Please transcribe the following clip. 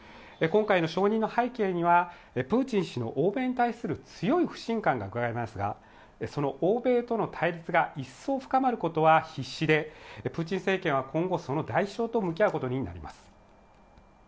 今回の承認の背景にはプーチン氏の欧米に対する強い不信感がございますがその欧米との対立が一層深まることは必至で、プーチン政権は今後その代償と向き合うことになります。